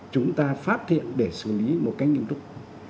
chúng ta phát hiện để xử lý một cách nghiêm túc